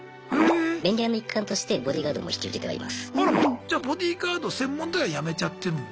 じゃボディーガード専門では辞めちゃってるんだ。